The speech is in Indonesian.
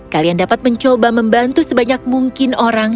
kalian dapat mencoba membantu sebanyak mungkin orang